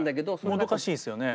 もどかしいですよね。